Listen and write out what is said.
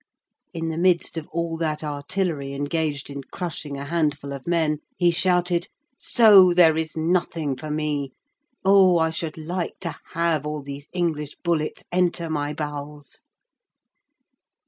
In the midst of all that artillery engaged in crushing a handful of men, he shouted: "So there is nothing for me! Oh! I should like to have all these English bullets enter my bowels!"